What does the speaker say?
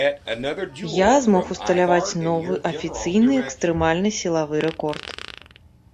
Я змог усталяваць новы афіцыйны экстрэмальны сілавы рэкорд.